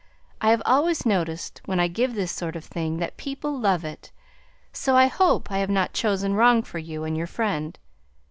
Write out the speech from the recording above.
I have always noticed when I give this sort of thing that people love it, so I hope I have not chosen wrong for you and your friend.